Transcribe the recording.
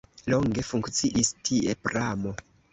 Longe funkciis tie pramo.